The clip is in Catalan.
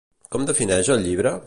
Com defineix el llibre?